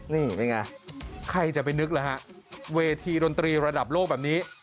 นี่เป็นไงใครจะไปนึกล่ะฮะเวทีดนตรีระดับโลกแบบนี้